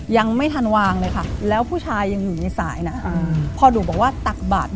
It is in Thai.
ยังไม่ทันวางเลยค่ะ